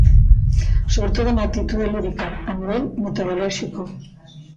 Sobre todo na actitude lúdica, a nivel metodolóxico.